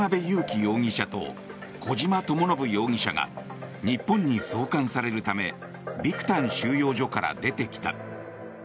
容疑者と小島智信容疑者が日本に送還されるためビクタン収容所から出てきた。